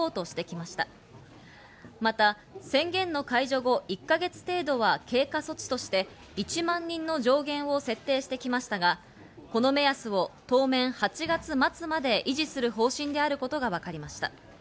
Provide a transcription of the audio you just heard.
また、宣言の解除後１か月程度は経過措置として１万人の上限を設定してきましたが、この目安を当面８月末まで維持する方針であることがわかりました。